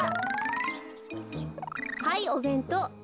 はいおべんとう。